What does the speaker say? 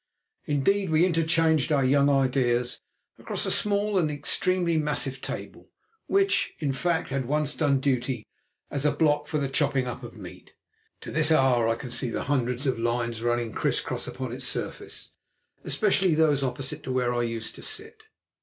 Indeed, we interchanged our young ideas across a small and extremely massive table, which, in fact, had once done duty as a block for the chopping up of meat. To this hour I can see the hundreds of lines running criss cross upon its surface, especially those opposite to where I used to sit.